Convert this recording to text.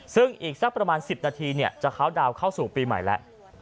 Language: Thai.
ซึ่งอีกสักประมาณ๑๐นาทีจะเข้าดาวน์เข้าสู่ปีใหม่แล้ว